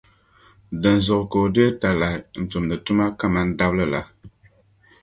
Dinzuɣu ka o deei talahi n-tumdi tuma kaman dabili la.